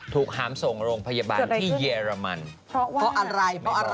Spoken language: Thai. ถูกหามส่งโรงพยาบาลที่เยอรมันเพราะอะไร